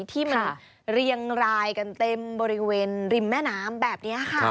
ที่มันเรียงรายกันเต็มบริเวณริมแม่น้ำแบบนี้ค่ะ